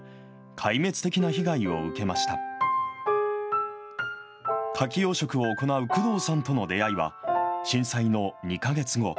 かき養殖を行う工藤さんとの出会いは、震災の２か月後。